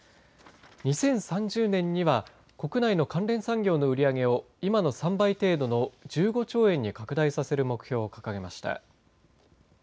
２０３０年には国内の関連産業の売り上げを今の３倍程度の１５兆円に拡大させる目標を掲げました。